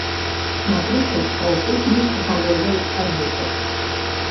Напрыклад, паўсотні галоваў авечак.